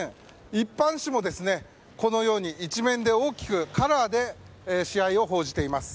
一般紙も１面で大きくカラーで試合を報じています。